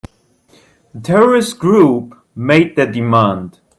The terrorist group made their demand.